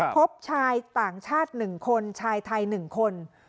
พบชายต่างชาติ๑คนชายไทย๑คน